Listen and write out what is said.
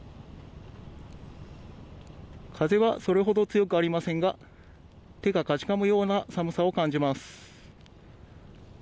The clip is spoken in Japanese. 風はそれほど強くありませんが、手がかじかむような寒さを感じます。